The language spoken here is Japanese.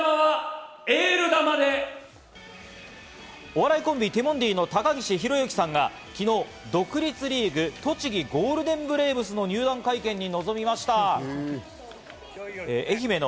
お笑いコンビ、ティモンディの高岸宏行さんが昨日、独立リーグ栃木ゴールデンブレーブスの入団会見に臨みました。